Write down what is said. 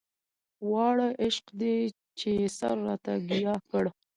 واړه عشق دی چې يې سر راته ګياه کړ.